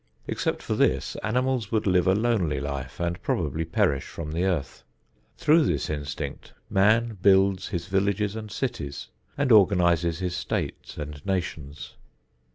Except for this, animals would live a lonely life and probably perish from the earth. Through this instinct, man builds his villages and cities and organizes his states and nations.